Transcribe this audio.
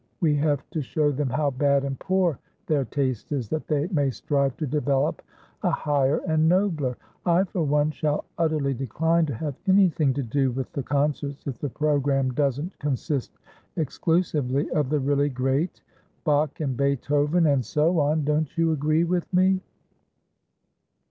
We have to show them how bad and poor their taste is, that they may strive to develop a higher and nobler. I, for one, shall utterly decline to have anything to do with the concerts if the programme doesn't consist exclusively of the really great, Bach and Beethoven and so on. Don't you agree with me?"